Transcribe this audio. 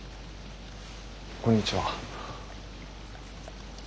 こんにちは。